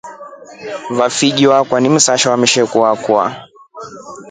Aftyo akwaa ni msasha wa msheku akwa.